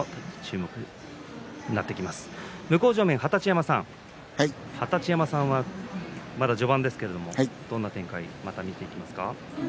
向正面の二十山さんまだ序盤ですけどもどんな展開を見ていきますか？